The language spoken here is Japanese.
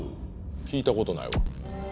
聞いたことないわ。